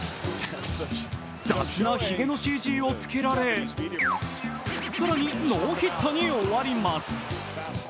雑なひげのＣＧをつけられ更にノーヒットに終わります。